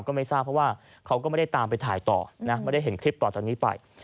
ก็ไม่ทราบเพราะว่าเขาก็ไม่ได้ตามไปถ่ายต่อนะไม่ได้เห็นคลิปต่อจากนี้ไป